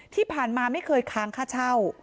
ที่ผ่านมาไม่เคยค้างค่าเช่า